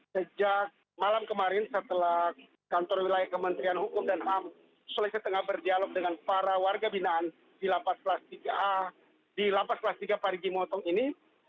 sejak malam kemarin setelah kantor wilayah kementerian hukum dan ham sulawesi tengah berdialog dengan para warga binaan di lapas kelas tiga parigi motong ini